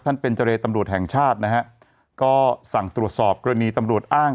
เป็นเจรตำรวจแห่งชาตินะฮะก็สั่งตรวจสอบกรณีตำรวจอ้าง